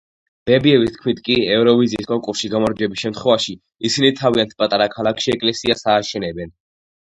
ბებიების თქმით კი, ევროვიზიის კონკურსში გამარჯვების შემთხვევაში, ისინი თავიანთ პატარა ქალაქში ეკლესიას ააშენებენ.